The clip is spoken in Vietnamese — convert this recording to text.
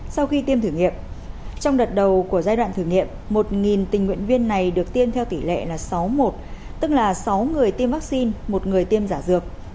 sau khi tiêm thử nghiệm trong đợt đầu của giai đoạn thử nghiệm một tình nguyện viên này được tiêm theo tỷ lệ là sáu một tức là sáu người tiêm vaccine một người tiêm giả dược